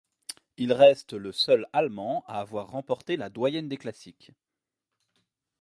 Il reste le seul Allemand à avoir remporté la Doyenne des classiques.